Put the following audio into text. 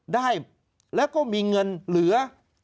ได้แล้วก็มีเงินเหลือ